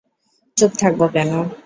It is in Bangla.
চুপ থাকব কেন?